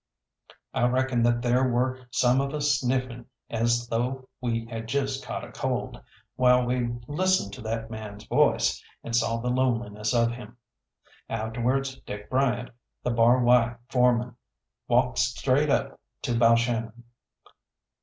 I reckon that there were some of us sniffing as though we had just caught a cold, while we listened to that man's voice, and saw the loneliness of him. Afterwards Dick Bryant, the Bar Y foreman, walked straight up to Balshannon.